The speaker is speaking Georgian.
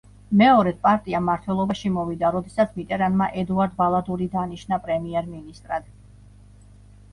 მეორედ პარტია მმართველობაში მოვიდა როდესაც მიტერანმა ედუარ ბალადური დანიშნა პრემიერ-მინისტრად.